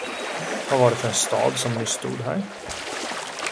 Vad var det för en stad, som nyss stod här?